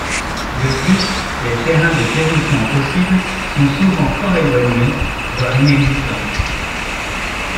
De plus, les terrains de déroutement possibles sont souvent fort éloignés, voire inexistants.